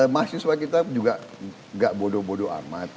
mahasiswa kita juga gak bodoh bodoh amat